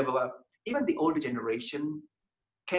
bahwa bahkan generasi tua